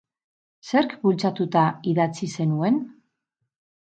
Zerk bultzatuta idatzi zenuen?